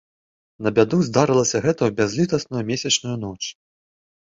На бяду, здарылася гэта ў бязлітасную месячную ноч.